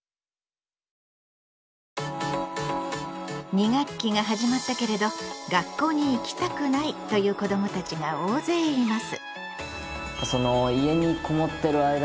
２学期が始まったけれど「学校に行きたくない」という子どもたちが大勢います。